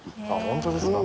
本当ですか？